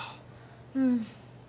うん。